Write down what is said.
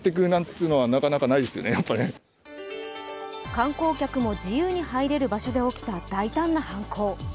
観光客も自由に入れる場所で起きた大胆な犯行。